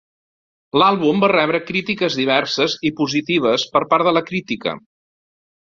L'àlbum va rebre crítiques diverses i positives per part de la crítica.